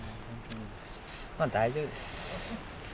まあ大丈夫です。